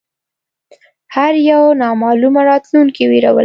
هر یو نامعلومه راتلونکې وېرولی دی